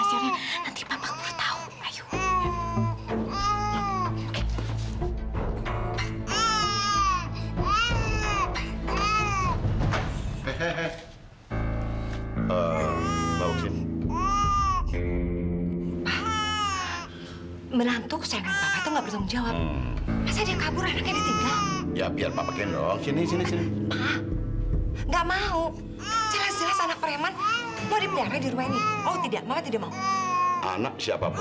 sampai jumpa di video selanjutnya